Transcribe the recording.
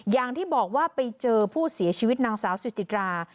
อย่างที่บอกว่าไปเจอผู้เสียชีวิตนางสาวสุจิตรา